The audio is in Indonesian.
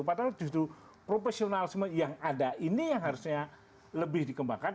padahal justru profesionalisme yang ada ini yang harusnya lebih dikembangkan